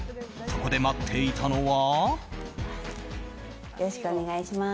そこで待っていたのは。